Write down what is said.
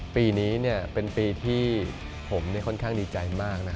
ปีนี้เป็นปีที่ผมค่อนข้างดีใจมากนะ